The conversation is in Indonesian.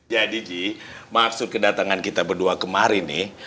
jadi ji maksud kedatangan kita berdua kemarin nih